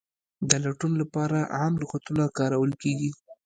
د لټون لپاره عام لغتونه کارول کیږي.